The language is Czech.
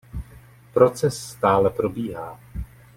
Proces stále probíhá.